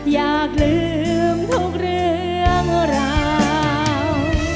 อยากลืมทุกเรื่องราว